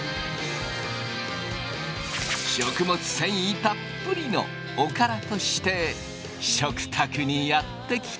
食物繊維たっぷりのおからとして食卓にやって来た！